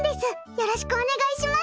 よろしくお願いします！